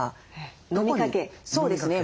そうですね。